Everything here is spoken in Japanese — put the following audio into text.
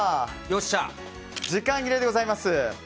時間切れでございます。